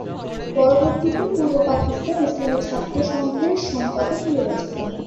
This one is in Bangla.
পরবর্তীতে পূর্ব পাকিস্তান ইসলামী ছাত্র সংঘের সম্পাদক নির্বাচিত হন।